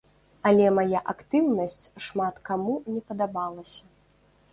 Але мая актыўнасць шмат каму не падабалася.